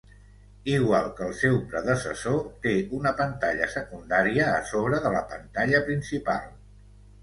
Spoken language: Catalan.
Igual que el seu predecessor, té una pantalla secundària a sobre de la pantalla principal.